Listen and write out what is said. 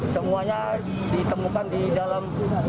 semuanya ditemukan di dalam